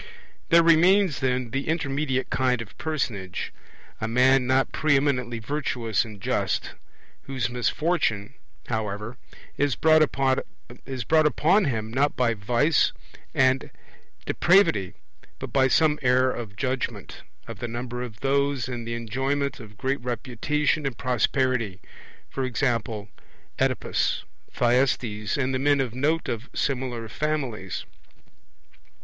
There remains, then, the intermediate kind of personage, a man not pre eminently virtuous and just, whose misfortune, however, is brought upon him not by vice and depravity but by some error of judgement, of the number of those in the enjoyment of great reputation and prosperity; e.g. Oedipus, Thyestes, and the men of note of similar families.